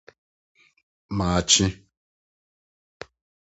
maakye